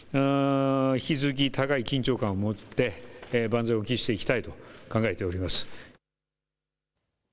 引き続き高い緊張感を持って万全を期していきたいと考えております。